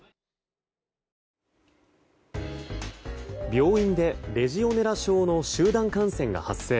病院でレジオネラ症の集団感染が発生。